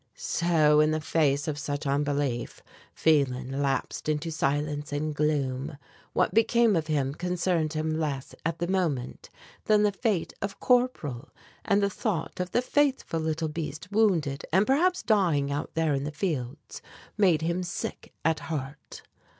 So, in the face of such unbelief, Phelan lapsed into silence and gloom. What became of him concerned him less, at the moment, than the fate of Corporal, and the thought of the faithful little beast wounded and perhaps dying out there in the fields, made him sick at heart.